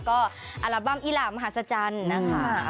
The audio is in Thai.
ก็อัลบั้มอิหลามมหาศจรรย์นะคะ